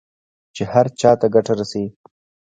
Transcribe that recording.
چې هر چا ته ګټه رسوي.